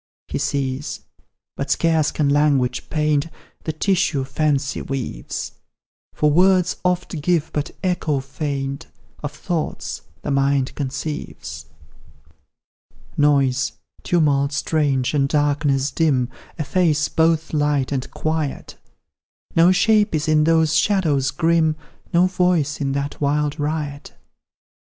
He sees but scarce can language paint The tissue fancy weaves; For words oft give but echo faint Of thoughts the mind conceives. Noise, tumult strange, and darkness dim, Efface both light and quiet; No shape is in those shadows grim, No voice in that wild riot.